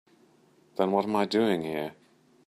Then what am I doing here?